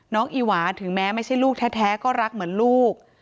อีหวาถึงแม้ไม่ใช่ลูกแท้ก็รักเหมือนลูก